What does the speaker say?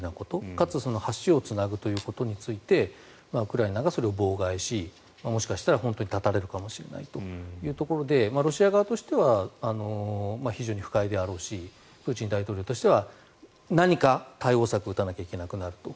かつ橋をつなぐということについてウクライナがそれを妨害しもしかしたら本当に断たれるかもしれないというところでロシア側としては非常に不快であろうしプーチン大統領としては何か対応策を打たなきゃいけなくなると。